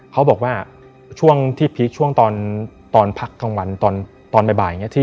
เขาบอกว่าช่วงที่พีคช่วงตอนตอนพักกลางวันตอนตอนบ่ายบ่ายอย่างเงี้ย